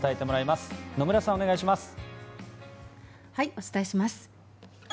お伝えします。